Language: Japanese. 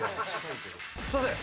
すいません。